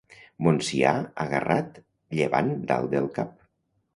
Montsià agarrat, llevant dalt del Cap.